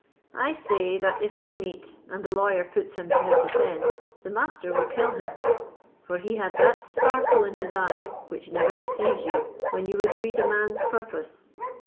I say, that if they meet, and the lawyer puts him to his defence, the Master will kill him; for he had that sparkle in his eye which never deceives you when you would read a man's purpose.